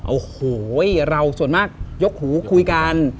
โอ้โหเราส่วนมากยกหูคุยกัน